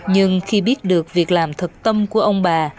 nhưng khi biết được việc làm thực tâm của ông bà